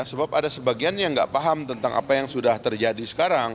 sebab ada sebagian yang nggak paham tentang apa yang sudah terjadi sekarang